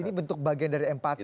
ini bentuk bagian dari empati